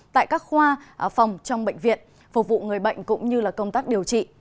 tại các khoa phòng trong bệnh viện phục vụ người bệnh cũng như công tác điều trị